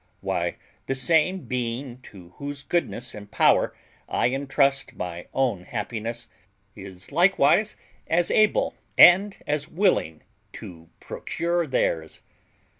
Why, the same Being to whose goodness and power I intrust my own happiness is likewise as able and as willing to procure theirs.